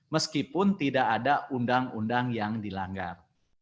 meskipun tidak ada undang undang yang dilanggar